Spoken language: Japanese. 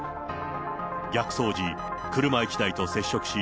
逆走時、車１台と接触し、